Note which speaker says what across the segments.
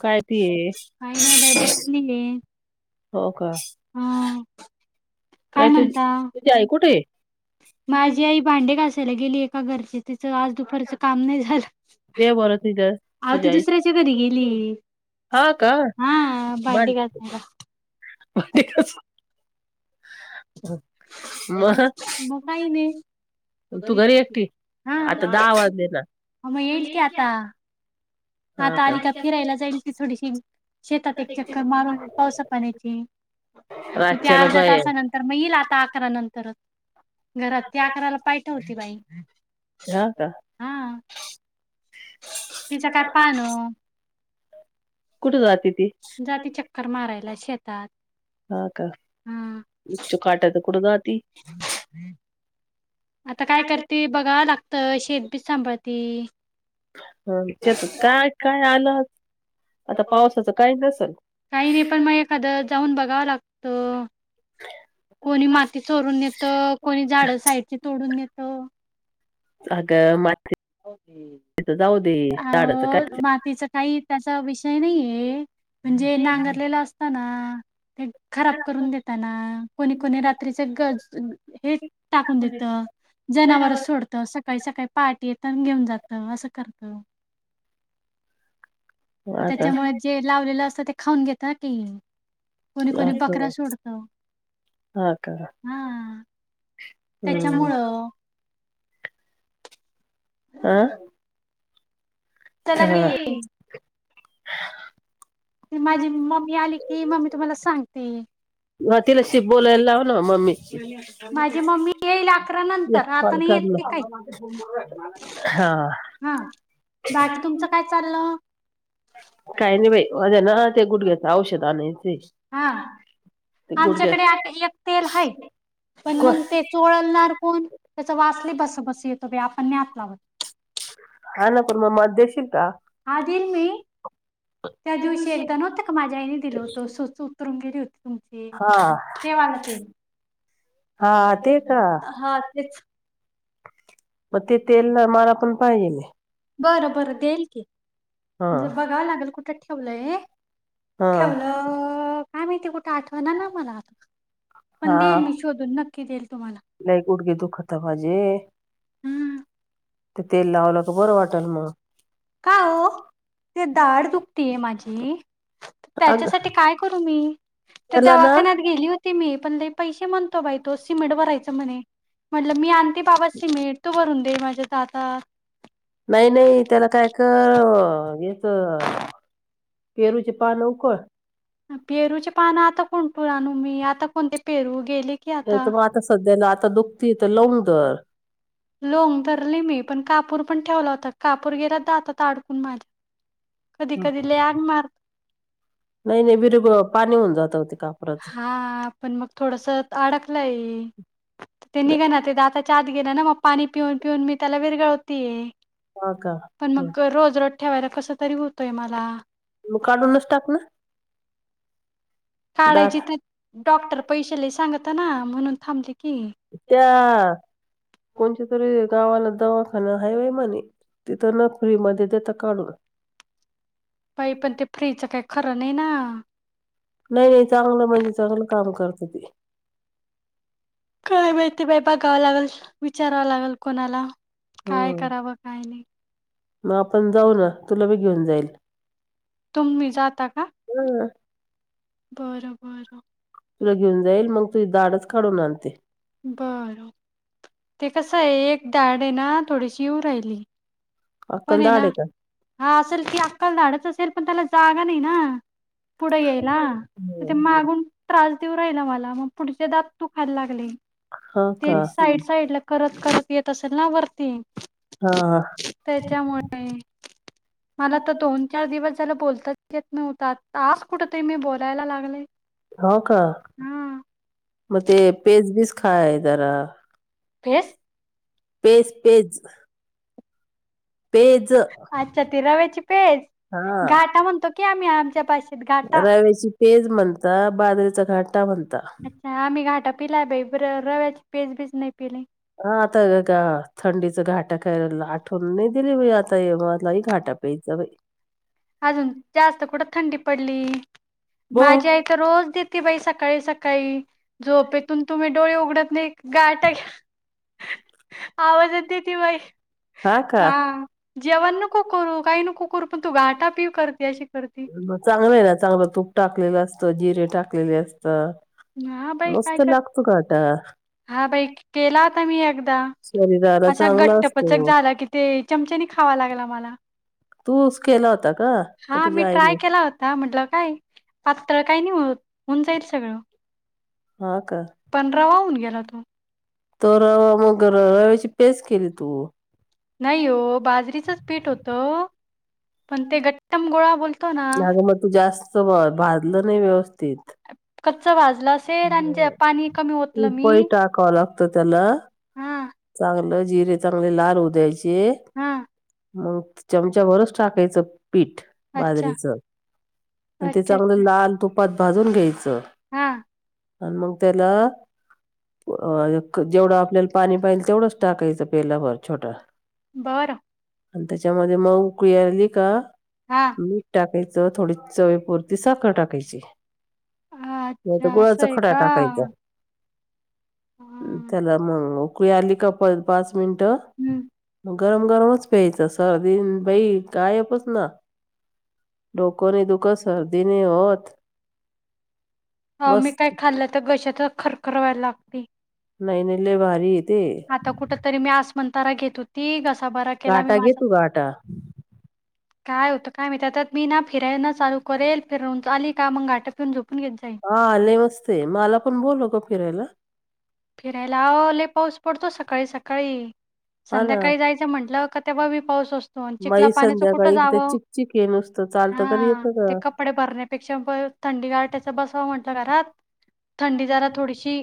Speaker 1: कायती ये
Speaker 2: नाहीये
Speaker 1: हो का.
Speaker 2: हा काय
Speaker 1: तुझ
Speaker 2: म्हणता
Speaker 1: तुझी आई कुठे आहे?
Speaker 2: माझी आई भांडे घा कायला गेली एका घरची तिचं आज दुपारच काम नाही
Speaker 1: दे
Speaker 2: झालं.
Speaker 1: बरं तुझ्या
Speaker 2: अ
Speaker 1: तुझ्या
Speaker 2: ती
Speaker 1: आई
Speaker 2: दुसऱ्याच्या घरी गेली.
Speaker 1: हा का
Speaker 2: हा भंडी घासून
Speaker 1: पण ते कस. म.
Speaker 2: मग काही नाही
Speaker 1: तू घरी एकटी आता
Speaker 2: हा
Speaker 1: दहा वाजलेणा.
Speaker 2: मग येईल की आता आता आली का? फिरायला जाईल, ती थोडीशी. शेतात एक चक्कर मारून पावसा पाण्याची मग ते
Speaker 1: रातच्याला
Speaker 2: अर्ध्या
Speaker 1: बाहेर
Speaker 2: तासानंतर मग, येईल आता अकरा नंतरच. घरात ते अकराला पाय ठेवती बाई.
Speaker 1: हाव का?
Speaker 2: तिच् काय पान.
Speaker 1: कुठे जाते ती
Speaker 2: जाती चक्कर मारायला, शेत
Speaker 1: हा का? ईचू काट्याचं कुड जाती.
Speaker 2: आता काय करते बघा लागतं. शेत बी सांभाळती.
Speaker 1: हा त्यात काय काय आलं आता पावसाचं नसल
Speaker 2: काही नाही. पण मग एखादं जाऊन बघावं लागत. कोणी माती चोरून नेत. कोणी झाड साईडची तोडून नेत.
Speaker 1: आग माती
Speaker 2: हो की.
Speaker 1: झाडाचं काय
Speaker 2: आओ, मातीचा काही त्याचा विषय नाहीये. म्हणजे नांगरलेल असताना. ते खराब करून देताना. कोणी कोणी रात्रीच गज हे टाकून देत. जनावर सोडत. सगळ सकाळी सकाळी पाहाटी येतन घेऊन जात, असं करत.
Speaker 1: आता असं
Speaker 2: त्याच्यामुळे जे लावलेलं असतं, ते खाऊन घेत ना ते. कोणी कोणी बकऱ्या सोडत.
Speaker 1: हा का? हम्.
Speaker 2: त्याच्यामुळं त्याला की
Speaker 1: ह [unintelligible]
Speaker 2: ती माझी मम्मी आली कि, म मी तुम्हाला सांगते.
Speaker 1: म तिलाशि बोललायलाव ना मम्मी
Speaker 2: माझी मम्मी येईल अकरा नंतर
Speaker 1: कॉल
Speaker 2: आता नाही येत ती
Speaker 1: करना.
Speaker 2: काही
Speaker 1: हा.
Speaker 2: हा बाकी तुमचं काय चाललं.
Speaker 1: काही नाही बाई माझ्या ना, ते गुडघ्याच औषध आण
Speaker 2: हा आमच्याकडे एक तेल आहे पण
Speaker 1: को
Speaker 2: मग ते चोळलणार कोण त्याचा वाचले बस बस येतो आपण नातला होत
Speaker 1: हा ना कोर् म मध्यशिक का
Speaker 2: हा दिल मी त्या दिवशी एकदा नत माझ्या आईने दिल होतो सुचत ंगिरी होती तुमची
Speaker 1: हा
Speaker 2: तेवाला ते हा
Speaker 1: ते
Speaker 2: तेच
Speaker 1: का
Speaker 2: हा तेच
Speaker 1: मग ते तेल मला पण पाहिजे मी
Speaker 2: बरं बरं देईल की
Speaker 1: हा
Speaker 2: म्ह बघावं लागेल कुठं ठेवलं
Speaker 1: हा
Speaker 2: ठेवलं काय माहिती कुठं आठवणार ना मला आता पण देईल मी शोधून नक्की देईल तुम्हाला.
Speaker 1: नाही क उठ गे दु खत भाजे
Speaker 2: हम्म
Speaker 1: तेल लावलं क बरं वाटल मग
Speaker 2: का हो ते धाड दुखतीय माझी
Speaker 1: अग
Speaker 2: त्याच्यासाठी काय
Speaker 1: त्याला
Speaker 2: करू मी त्या
Speaker 1: ना
Speaker 2: दवाखान्यात गेली होती मी पण लई पैसे म्हणतो बाई तो. सिमेट भरायचा म्हणे, म्हणलं मी आणते बाबा समेट, तू भरून ते माझ्या दातात
Speaker 1: नाही नाही त्याला काय कर, येच
Speaker 2: परूचे पान आता कोंठुन आनू मी, आता कोणते पेरू गेले की
Speaker 1: नाही त म आता सध्याला आता दुखतीय त, लवग धर.
Speaker 2: लोंग धरली मी पण कापूर पण ठेवला होता कापूर गेरत जातात अडकून माझ्या कधी
Speaker 1: हं.
Speaker 2: कधी ल आग मारत
Speaker 1: नाही नाही बिर पाणी होऊन जात होते का
Speaker 2: हा पण मग थोडस अडकलंय ते निघ ना
Speaker 1: नाही
Speaker 2: ते आताच्या गेला ना मग पाणी पिऊन पिऊन मी त्याला विरगळवते
Speaker 1: हा का
Speaker 2: पण
Speaker 1: हं.
Speaker 2: मग रोज रज ठेवायला कस तरी होतोय मला
Speaker 1: मग काढूनच टाक ना डाळ
Speaker 2: काढायची तर डॉक्टर पैसे ल सांगत ना म्हणून थांबली
Speaker 1: त्या कोणच्या तरी गावाला दवा पण हा वई म्हणे तिथं न फ्री मध्ये देत काढून
Speaker 2: बाई पण ते फ्रीचं काही खरं नाही ना
Speaker 1: नाही नाही चांगलं म्हणजे चांगलं काम करत ते
Speaker 2: काय माती बाेपा गावं लागेल विचारावा लागेल कोणाला काय
Speaker 1: हम्म.
Speaker 2: करावं काय नाही
Speaker 1: मग आपण जाऊ ना तुला बी घेऊन जाईल
Speaker 2: तुम्ही जाता का
Speaker 1: हं.
Speaker 2: बरं बरं
Speaker 1: तुला घेऊन जाईल मग तुझ दाडच काढवून आणते
Speaker 2: बर ते कस आहे एक डाड आहे ना थोडीशीऊ राहिली पण
Speaker 1: अक्कल
Speaker 2: आहे
Speaker 1: दाढ
Speaker 2: ना
Speaker 1: का
Speaker 2: हा असेल ती अक्कलधडच असेल पण त्याला जागा नाही ना पुढे येला तर ते मागून त्रास देऊ राहिला मला मग पुढ दू खाय लाग
Speaker 1: हा का
Speaker 2: साड साईड येत असेल ना वरती
Speaker 1: हा
Speaker 2: त्याच्यामुळे मला तर दोन चार दिवस त्याला बोलताच येत नव्हत आज कुठ तरी मी बोलायला लागले
Speaker 1: हो का
Speaker 2: हा
Speaker 1: मग ते पेजबीज खाय जरा
Speaker 2: पेज
Speaker 1: फेस पेज पेज
Speaker 2: अच्छा ती रव्याची पेज
Speaker 1: हा
Speaker 2: घाटा म्हणतो की आम्ही आमच्या पाशी
Speaker 1: रव्याची पेज म्हणता बादवीचा घाटा म्हणता
Speaker 2: अच्छा आम्ही घाटा पिलाय बाई रव्याची पेजबीज नाही पिली
Speaker 1: ह आता का का थंडी घाटा कला आठवण नाही दिली आता मला घाटा प्यायचा बा
Speaker 2: अजून जास्त कठं थंडी पडली
Speaker 1: बो
Speaker 2: माझी आई तर रोज देत ते बाई सकाळी, सकाळी झोपेतून तुम्ही डोळे उघडत नाई गारट
Speaker 1: [inaudible]
Speaker 2: आवाज देते बाई हा जेवण नको करू काही नको करू, पण तू घाटा पीव करती, अशी करती.
Speaker 1: चांगलं हे ना, चांगलं तूप टाकलेलं असत जिरे टाकलेले अस
Speaker 2: हा बाई काय कर
Speaker 1: घाटा
Speaker 2: हा बाई के केला होता मी एकदा.
Speaker 1: शरीराला
Speaker 2: असा
Speaker 1: चांगला
Speaker 2: घट्टपचक
Speaker 1: असतो
Speaker 2: झाला कि ते चमचीनी खावा लागल आम्हाला.
Speaker 1: तूचं केला होता. का का
Speaker 2: हा मी
Speaker 1: तुझ्या
Speaker 2: ट्राय
Speaker 1: आईने
Speaker 2: केला होता म्हटलं काय. पात्र काई नाही होत होऊन जाईल सगळं.
Speaker 1: हा का
Speaker 2: पंधरावा होऊन गेला तो.
Speaker 1: तो रवा मग रव्याची पेस्ट केली तू.
Speaker 2: नाई हो बाजरीचंच पीठ होतं. पण ते गट्टम गोळा बोलतो ना
Speaker 1: नाही ग मग तू जास्त ब भाजलं नाई व्यवस्थित.
Speaker 2: कच्च भाजलं असेल आणि जे पाणी कमी ओतलं
Speaker 1: तूप ही
Speaker 2: मी.
Speaker 1: टाकावं लाग त त्याला
Speaker 2: हां,
Speaker 1: चांगलं जिरे चांगले लाल होऊ द्यायच. चे
Speaker 2: हां.
Speaker 1: मग चमचा भरचं टाकायचं. पीठ
Speaker 2: अच्छा,
Speaker 1: बाजरीच, आणि ते चांगलं लाल तुपात भाजून घ्यायचं.
Speaker 2: हा.
Speaker 1: आणि मग त्याला अ एक जेवढं आपल्याला पाणी पाहिजे तेवढंच टाकायचं पेला भर छोटा.
Speaker 2: बर.
Speaker 1: आणि त्याच्यामध्ये, म उकळी यायलंगली का
Speaker 2: हां.
Speaker 1: मीठ टाकायचं थोडी चवे पुरती साखर टाकायची, नाहीतर
Speaker 2: अच्छा असं
Speaker 1: गुळाचा
Speaker 2: आहे
Speaker 1: खडा
Speaker 2: का?
Speaker 1: टाकायचा.
Speaker 2: हां.
Speaker 1: त्याला म उकळी आली का पर पाच मिनटं
Speaker 2: हं.
Speaker 1: म गरम गरमच प्यायचं सर्दी [unintelligible] बाई गायपच ना, डोकं नाई दुखत सर्दी नाई होत.
Speaker 2: ह
Speaker 1: बस
Speaker 2: मी काय खाल्लं तर घशात खरखर व्हाय लागते.
Speaker 1: नाही नाई लय भारी ते
Speaker 2: आता कुठ तरी मी अस्मान्तरा घेत होती घस सा बरा केला मी
Speaker 1: गाटा घे
Speaker 2: माझा
Speaker 1: तू गाटा
Speaker 2: काय होत काय माहित त्या त्यात. मी ना फिराना चालू करेल फिरवून, चं आली का मग घाटापीवून झोप
Speaker 1: हा लय मस्तई मला पण बोलव गं फिरायला.
Speaker 2: फिरायला आओ लय पाऊस, पडतो सकाळी सकाळी.
Speaker 1: हा ना
Speaker 2: संध्याकाळी जायचं म्हटलं का तेव्हा बी पाऊस असतो, आणि चिखला
Speaker 1: बाई
Speaker 2: पाण्याचं कुठं
Speaker 1: संध्याकाळी इकडे
Speaker 2: जावं.
Speaker 1: चिकचिक आहे नुसतं चालतं तर
Speaker 2: हा
Speaker 1: येतं का
Speaker 2: ते कपडे भरण्यापेक्षा बरं थंडी गारट्याच बसवा म्हण त घरात थंडी जरा थोडीशी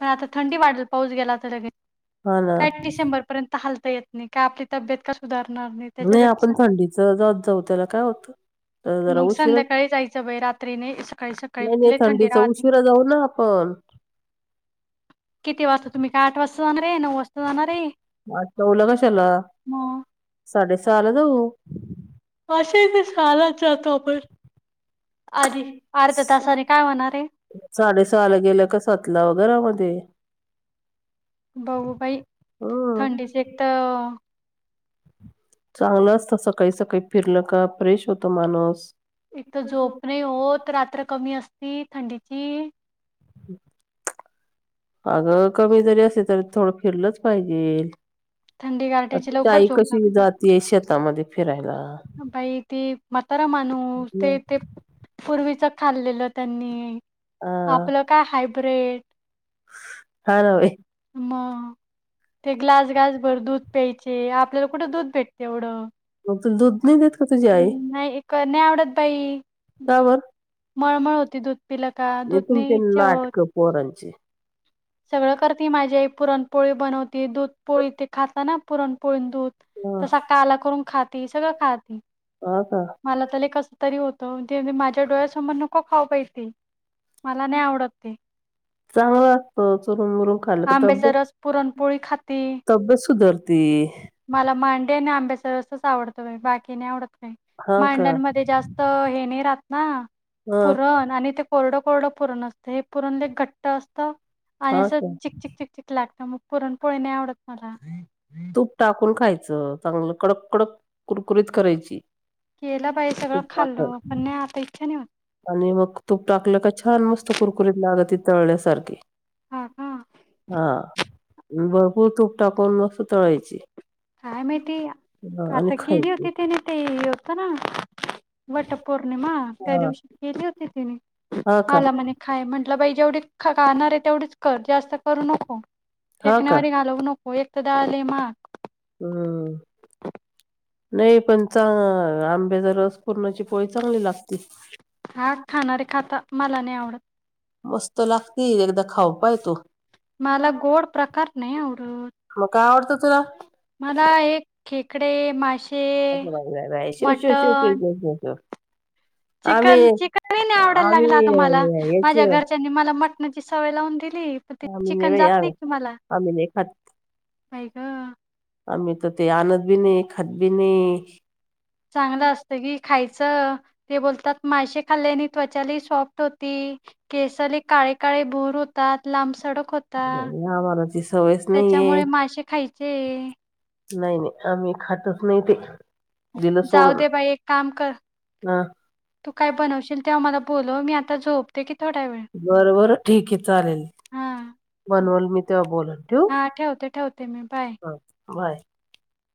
Speaker 2: पण आता थंडी वाढल पाऊस गेला तर लगेच.
Speaker 1: हा ना
Speaker 2: काय डिसेंबर पर्यंत हालता येत नाई, काय आपली तब्येत का सुधार
Speaker 1: नाई आपण थंडीच जात जाऊ त्याला काय होतं. तर जरा
Speaker 2: मग
Speaker 1: उशीरा
Speaker 2: संध्याकाळी जायचं बाई रात्री नाही सकाळी सकाळी
Speaker 1: नाही, नाही
Speaker 2: लय थंडी
Speaker 1: थंडीचा
Speaker 2: राहती.
Speaker 1: उशीरा जाऊ ना आपण. [inaudible]
Speaker 2: किती वाजता तुम्ही काय आठ वाजता जाणार हे हाय नऊ वाजता जाणार हे.
Speaker 1: म आठ, नऊला कशाला साडेसहाला जाऊ.
Speaker 2: आशे ते सहालाच जातो आपण. आधी
Speaker 1: [unintelligible]
Speaker 2: अर्ध्या तासाने काय होणार आहे
Speaker 1: साडेसहाला गेलं क सातला वगैर म्हण. ते.
Speaker 2: बघू बाई थंडीच एक
Speaker 1: हम्म
Speaker 2: तर.
Speaker 1: चांगलं असत सकाळी, सकाळी फिरलं का फ्रेश होत माणूस.
Speaker 2: एक तर झोप नाही होत. रात्र कमी असती थंडीची
Speaker 1: हम्म. अगं कमी जरी असे तरी थोडं फिरलंच पाहिजे.
Speaker 2: थंडी गारट्याची
Speaker 1: आता
Speaker 2: लवकर
Speaker 1: ई
Speaker 2: झोप
Speaker 1: कशी जातय शेतामध्ये फिरायला
Speaker 2: बाई ती मातारा मानू ते
Speaker 1: मग,
Speaker 2: ते पूर्वीच खाल्लेलं त्यांनी आपलं
Speaker 1: हा
Speaker 2: काय हायब्र्रीड
Speaker 1: हा ना बाई
Speaker 2: मग ते ग्लास गास भर दूध प्यायचे आपल्याला कुठं दूध भेटते एवढं
Speaker 1: मग तुला दूध नाही देत का तुझी आई
Speaker 2: नाही नाही आवडत बाई
Speaker 1: का बर?
Speaker 2: मळमळ होती दूध पिलं का
Speaker 1: हे
Speaker 2: दूधने
Speaker 1: तुमचे
Speaker 2: इच्छा होत
Speaker 1: नाटकं पोरांची
Speaker 2: सगळं करते माझी आई पुरणपोळी बनवती दूध पोळी ते खाता ना पुरणपोळी
Speaker 1: हा
Speaker 2: का करून ख सगळ ख
Speaker 1: हा का
Speaker 2: म कस त त ते माझ्या डोळ्यासमोर नको खाऊ पाहितीे मला नाही आवडत ते.
Speaker 1: चांगलं असतं चुरून मुरून खाल्लं का तब्येत
Speaker 2: आंबेजारस पुरणपोळी खाते.
Speaker 1: तब्येत सुधरती
Speaker 2: मला मांडे आणि आंब्याचा रसच आवडतो बाकी नाही आवडत
Speaker 1: हा का
Speaker 2: मांडणमध्ये जास्त हे नाही राहत ना
Speaker 1: हा
Speaker 2: पुरण आणि कोरडं कोरडं पुरण असतं हे पुरणले घट्ट असतं आणि
Speaker 1: हा
Speaker 2: असं
Speaker 1: का
Speaker 2: चिक चिक चिक चिक लागतं मग पुरणपोळी नाही आवडत मला
Speaker 1: तूप टाकून खायचं चांगलं कडक कडक कुरकुरीत करायची
Speaker 2: केलं पाहिजे सगळं
Speaker 1: तूप टाकून.
Speaker 2: खाल्ल पण नाही आता इच्छा नाही होती
Speaker 1: आणि मग तूप टाकलं का छान मस्त कुरकुरीत लाग ती तळण्यासारखी
Speaker 2: हा का
Speaker 1: हा म भरपूर तूप टाकून मस्त तळायची
Speaker 2: काय माहिती
Speaker 1: हा आणि
Speaker 2: आता केली
Speaker 1: खायची.
Speaker 2: होती तने ते होत ना वट पौर्णिमा त्या
Speaker 1: हा
Speaker 2: दिवशी केली होती तिने
Speaker 1: हा का
Speaker 2: मला म खाय म्हण म्हलं बाई जेवढी गाणारे तेवढीच कर जास्त करू नको
Speaker 1: हा का
Speaker 2: फेकण्या वी घालवू नको तरदाले मग
Speaker 1: हम्म नाही पण च ह आंब्या ज रस पूर्णाची पोळी चांगली लागते
Speaker 2: हा खाणारे खात मला नाही आवडत
Speaker 1: मस्त लागते एकदा खाऊ पाय तू
Speaker 2: मला गोड प्रकार नाही आवडत
Speaker 1: मग काय आवडतं तुला
Speaker 2: मला एक खेकडे मासेे
Speaker 1: अगं बाई बाई बाई शिव शिव शिव शिव
Speaker 2: मटण
Speaker 1: शिव शिव शिव आम्ही
Speaker 2: चिकन चिकनही नाही आवडायला
Speaker 1: आम्ही
Speaker 2: लागला आता मला माझ्या
Speaker 1: याचे
Speaker 2: घरच्यांनी मला म झी सवय लावून दिली प त
Speaker 1: आम्ही
Speaker 2: चिकन
Speaker 1: बाई
Speaker 2: जात नाही
Speaker 1: आम्ही
Speaker 2: कि मला
Speaker 1: आम्ही नाही खात.
Speaker 2: काय का
Speaker 1: आम्ही तर ते आणत बी नाही खात बी नाही
Speaker 2: चांगलं असतं की खायचं बतात मा खाल्ल्या त्व स्ट होती केस काळे का भोर होतात लांब सडक होता
Speaker 1: आम्हाला ती सवयच नाहीये.
Speaker 2: त्याच्यामुळे मासे खायचे
Speaker 1: नाही नाही आम्ही खातच नाही ते दिलं
Speaker 2: जाऊ
Speaker 1: सोडून
Speaker 2: दे बाई एक काम कर
Speaker 1: हा
Speaker 2: तू काय बनवशील तेव्हा मला बोलो मी आता झोपते की थोडा वेळ
Speaker 1: बरबर ठीक चालेल
Speaker 2: हा
Speaker 1: बनवल मी तेव्हा बोलन ठव
Speaker 2: हा ठेवते ठेवते मी बाय
Speaker 1: ह बाय